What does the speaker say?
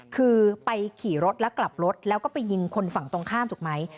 คือไปขี่รถแล้วกลับรถแล้วก็ไปยิงคนฝั่งตรงข้ามถูกไหม